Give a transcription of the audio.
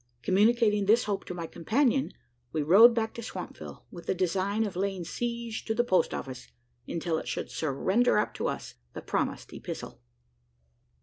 Communicating this hope to my companion, we rode back to Swampville: with the design of laying siege to the post office, until it should surrender up to us the promised epistle.